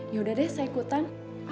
yaudah deh saya ikutan